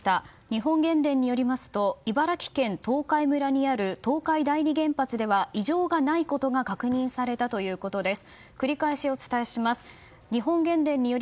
日本原電によりますと茨城県東海村にある東海第二原発では異常がないことが確認されたということです。